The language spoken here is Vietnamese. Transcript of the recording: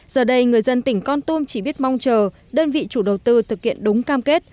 giờ đây người dân tỉnh con tum chỉ biết mong chờ đơn vị chủ đầu tư thực hiện đúng cam kết